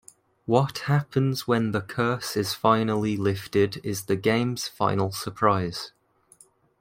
What happens when the curse is finally lifted is the game's final surprise.